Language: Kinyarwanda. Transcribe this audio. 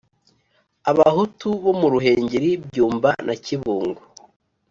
Abahutu bo mu Ruhengeri, Byumba, na Kibungo.